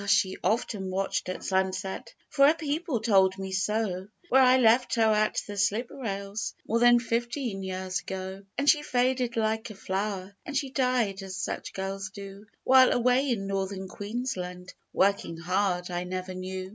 she often watched at sunset For her people told me so Where I left her at the slip rails More than fifteen years ago. And she faded like a flower, And she died, as such girls do, While, away in Northern Queensland, Working hard, I never knew.